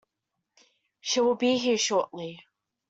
She will be here shortly.